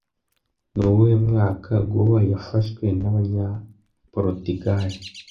Ni uwuhe mwaka Goa yafashwe n'Abanyaportigale